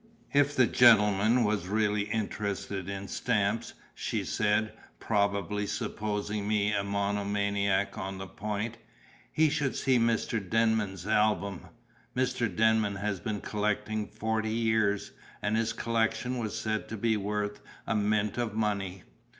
If the gentleman was really interested in stamps, she said, probably supposing me a monomaniac on the point, he should see Mr. Denman's album. Mr. Denman had been collecting forty years, and his collection was said to be worth a mint of money.